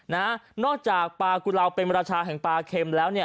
นอกจากปลากุลาวเป็นราชาแห่งปลาเข็มแล้วเนี่ย